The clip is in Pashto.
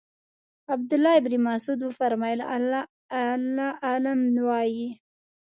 عبدالله ابن مسعود وفرمایل الله اعلم وایئ.